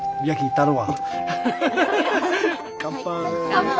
乾杯！